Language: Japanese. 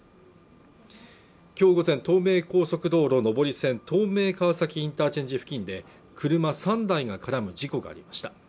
きょう午前東名高速道路上り線東名川崎ＩＣ付近で車３台が絡む事故がありました